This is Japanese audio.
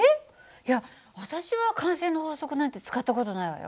いや私は慣性の法則なんて使った事ないわよ。